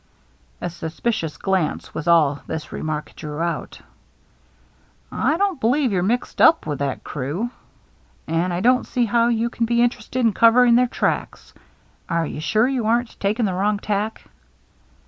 A suspicious glance was all this remark drew out. " I don't believe you're mixed up with that crew, and I don't see how you can be interested in covering their tracks. Are you sure you aren't taking the wrong tack